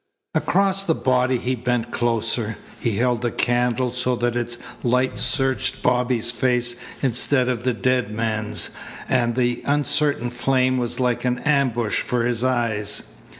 Across the body he bent closer. He held the candle so that its light searched Bobby's face instead of the dead man's, and the uncertain flame was like an ambush for his eyes.